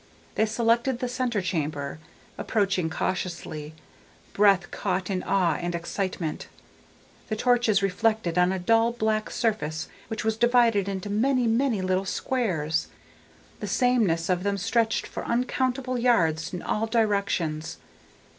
They selected the center chamber, approaching cautiously, breath caught in awe and excitement. The torches reflected on a dull black surface which was divided into many, many little squares. The sameness of them stretched for uncountable yards in all directions.